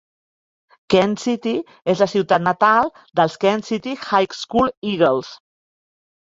Kent City és la ciutat natal dels Kent City High School Eagles.